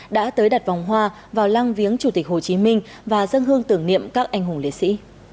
đã tới đặt vòng hoa vào lang viếng chủ tịch hồ chí minh và dân hương tưởng niệm các anh hùng liệt sĩ